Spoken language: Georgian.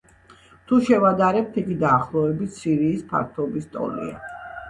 თუ შევადარებთ, იგი დაახლოებით სირიის ფართობის ტოლია.